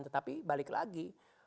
tetapi balik lagi